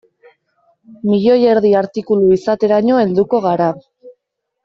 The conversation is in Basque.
Milioi erdi artikulu izateraino helduko gara.